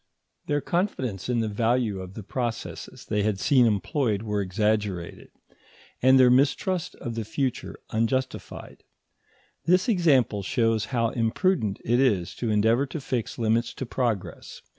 Their confidence in the value of the processes they had seen employed was exaggerated, and their mistrust of the future unjustified. This example shows how imprudent it is to endeavour to fix limits to progress.